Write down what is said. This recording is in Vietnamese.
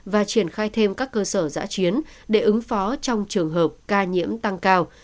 và triển khai thêm các cơ sở giã chiến để ứng phó trong trường hợp ca nhiễm tăng cao